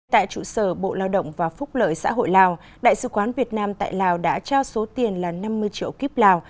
tại trụ sở bộ lao động và phúc lợi xã hội lào đại sứ quán việt nam tại lào đã trao số tiền là năm mươi triệu kíp lào